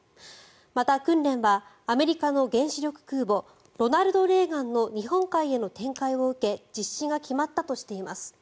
また、訓練はアメリカの原子力空母「ロナルド・レーガン」の日本海への展開を受け実施が決まったとしています。